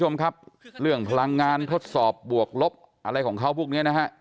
คุณผู้ชมครับเรื่องพลังงานทดสอบบวกลบอะไรของเขาพวกนี้นะฮะ